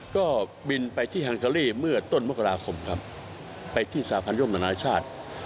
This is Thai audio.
ก็บินไปที่ฮังเคอรี่เมื่อต้นมกราคมไปที่สาพันยกอำนักรณชาติ